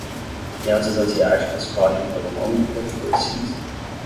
Crianças asiáticas correm por um longo corredor cinza.